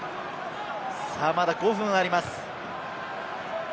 まだ５分あります。